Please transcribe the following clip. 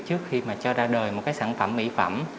trước khi cho ra đời một sản phẩm mỹ phẩm